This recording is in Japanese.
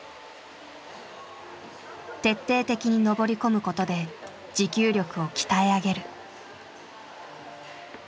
徹底的に登り込むことで持久力を鍛え上げる。